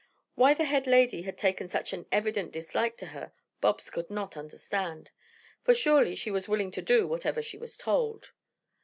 Why the head lady had taken such a very evident dislike to her, Bobs could not understand, for surely she was willing to do whatever she was told.